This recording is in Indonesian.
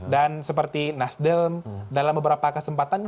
dan seperti nasdelm dalam beberapa kesempatan